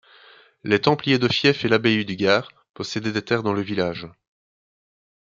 Les templiers de Fieffes et l'abbaye du Gard possédaient des terres dans le village.